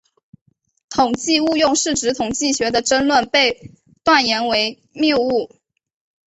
统计误用是指统计学的争论被断言为谬误。